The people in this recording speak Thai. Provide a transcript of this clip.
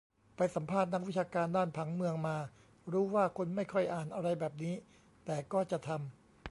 ไปสัมภาษณ์นักวิชาการด้านผังเมืองมา รู้ว่าคนไม่ค่อยอ่านอะไรแบบนี้ แต่ก็จะทำ